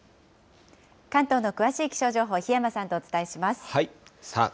関東の詳しい気象情報、檜山さんとお伝えします。